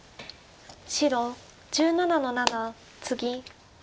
白１７の七ツギ。